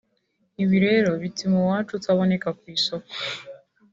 ibi rero bituma uwacu utaboneka ku isoko